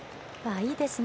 いいですね。